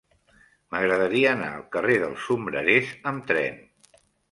M'agradaria anar al carrer dels Sombrerers amb tren.